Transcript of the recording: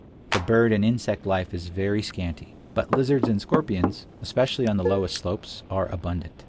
The bird and insect life is very scanty, but lizards and scorpions, especially on the lowest slopes, are abundant.